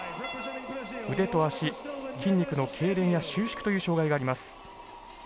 腕と足筋肉のけいれんや収縮という障がいがあります。